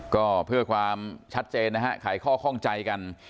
ก็เพื่อความชัดเจนนะฮะไขข้อข้องใจกัน